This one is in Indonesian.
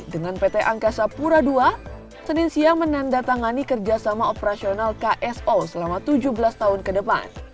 dengan pt angkasa pura ii senin siang menandatangani kerjasama operasional kso selama tujuh belas tahun ke depan